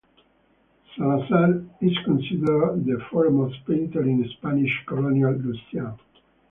Salazar is considered the foremost painter in Spanish Colonial Louisiana.